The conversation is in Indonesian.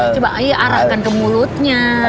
coba ayo arakkan ke mulutnya